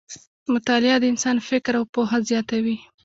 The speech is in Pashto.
مطالعه د انسان فکر او پوهه زیاتوي.